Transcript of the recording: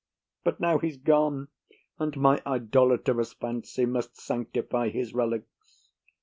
But now he's gone, and my idolatrous fancy Must sanctify his relics.